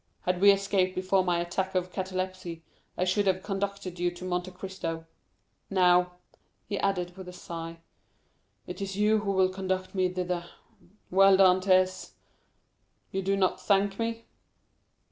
Had we escaped before my attack of catalepsy, I should have conducted you to Monte Cristo; now," he added, with a sigh, "it is you who will conduct me thither. Well, Dantès, you do not thank me?"